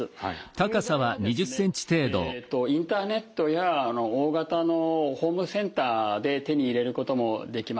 インターネットや大型のホームセンターで手に入れることもできます。